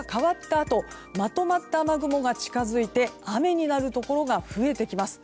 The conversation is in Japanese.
あとまとまった雨雲が近づいて雨になるところが増えてきます。